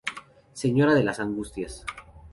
Señora de las Angustias.